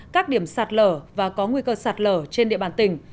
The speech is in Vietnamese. các điểm sạt lở và có nguy cơ sạt lở trên địa bàn tỉnh